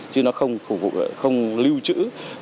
chứ nó không phục vụ không lưu trữ